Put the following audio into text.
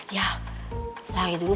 ya lari dulu